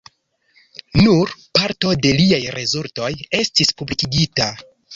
Nur parto de liaj rezultoj estis publikigita.